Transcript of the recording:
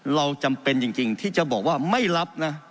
เราจำเป็นจริงที่จะบอกว่าไม่รับนะ